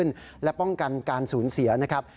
เป็นเหตุที่เกิดขึ้นและป้องกันการสูญเสียนะครับ